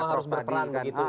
semua harus berperan begitu ya